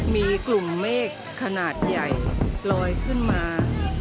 มีกลุ่มเมฆขนาดใหญ่ลอยขึ้นมา